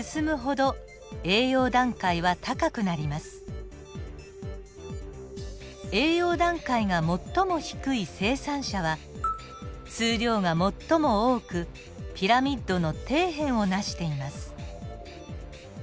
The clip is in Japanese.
栄養段階が最も低い生産者は数量が最も多くピラミッドの底辺を成しています。